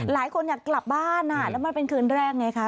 หลายคนอยากกลับบ้านแล้วมันเป็นคืนแรกไงคะ